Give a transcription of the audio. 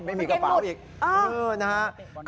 ไม่มีกระเป๋าอีก